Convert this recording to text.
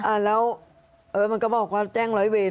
อ่าแล้วเออมันก็บอกว่าแจ้งร้อยเวร